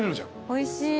おいしい。